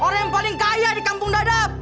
orang yang paling kaya di kampung dadap